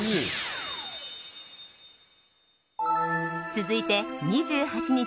続いて２８日